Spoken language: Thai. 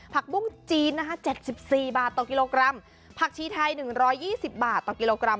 ผักบุ้งจีนนะคะเจ็ดสิบสี่บาทต่อกิโลกรัมผักชีไทยหนึ่งร้อยยี่สิบบาทต่อกิโลกรัม